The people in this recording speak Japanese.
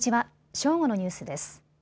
正午のニュースです。